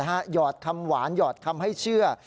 หยอดคำหวานหยอดคำให้เชื่อ